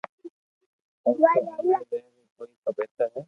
او تو اوني زبر ھي ڪي ڪاوُ بھتر ھي